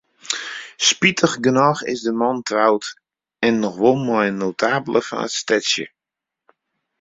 Spitigernôch is de man troud, en noch wol mei in notabele fan it stedsje.